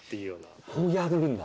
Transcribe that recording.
こうやるんだ。